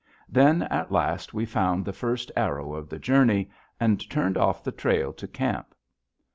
Then, at last, we found the first arrow of the journey, and turned off the trail to camp.